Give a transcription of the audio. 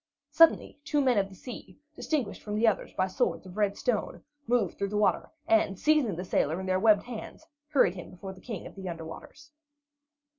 Suddenly two men of the sea, distinguished from the others by swords of red stone, moved through the water, and seizing the sailor in their webbed hands, hurried him before the King of the Under Waters.